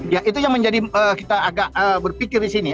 ya itu yang menjadi kita agak berpikir di sini